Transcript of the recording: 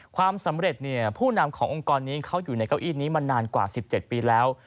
ความสำเร็จผู้นำขององค์กรนี้เขาอยู่ในเก้าอี้นี้มานานกว่า๑๗ปีแล้ว